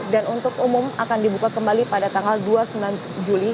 dan untuk umum akan dibuka kembali pada tanggal dua puluh sembilan juli